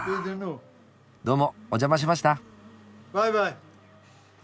どうもお邪魔しました。